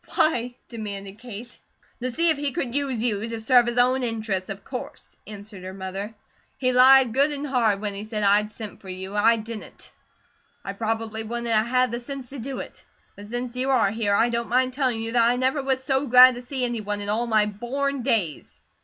"Why?" demanded Kate. "To see if he could use you to serve his own interests, of course," answered her mother. "He lied good and hard when he said I sent for you; I didn't. I probably wouldn't a had the sense to do it. But since you are here, I don't mind telling you that I never was so glad to see any one in all my born days."